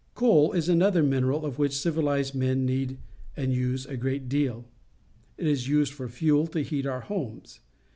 Coal is another mineral of which civihzed men need and use a great deal. It is used for fuel to heat our homes.